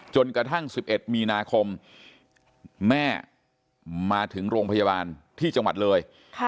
จนกระทั่ง๑๑มีนาคมแม่มาถึงโรงพยาบาลที่จังหวัดเลย